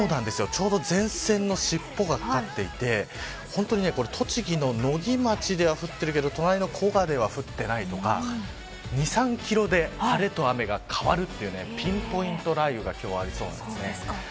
ちょうど前線のしっぽがかかっていて栃木の野木町では降っているけど隣の町では降っていないとか２、３キロで晴れと雨が変わるというピンポイント雷雨がありそうです。